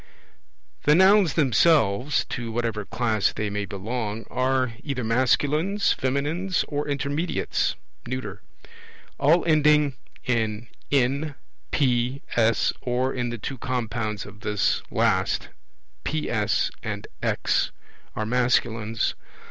The Nouns themselves (to whatever class they may belong) are either masculines, feminines, or intermediates (neuter). All ending in N, P, S, or in the two compounds of this last, PS and X, are masculines.